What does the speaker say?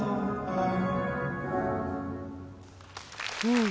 うん。